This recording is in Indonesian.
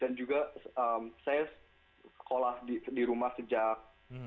dan juga saya sekolah di rumah sejak